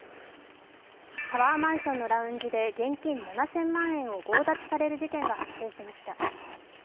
タワーマンションのラウンジで現金７０００万円を強奪される事件が起きました。